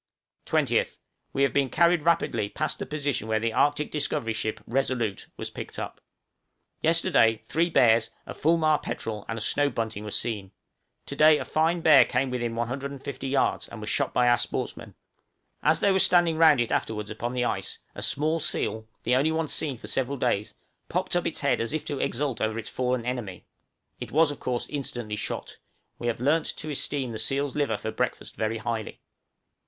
20th. We have been carried rapidly past the position where the Arctic discovery ship 'Resolute' was picked up. {THE ARCTIC BEAR.} Yesterday three bears, a fulmar petrel, and a snow bunting were seen; to day a fine bear came within 150 yards, and was shot by our sportsmen; as they were standing round it afterwards upon the ice, a small seal, the only one seen for several days, popped up its head as if to exult over its fallen enemy it was of course instantly shot: we have learnt to esteem seal's liver for breakfast very highly.